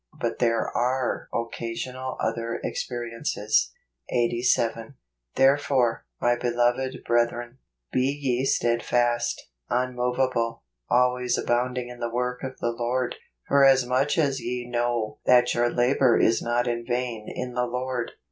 But there are occasional other experiences. Eighty Seven. " Therefore , my beloved brethren , be ye steadfast , immovable , always abounding in the work of the Lord, for as much as ye know that your labor is not in vain in the Lord."